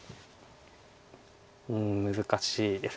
うん難しいです。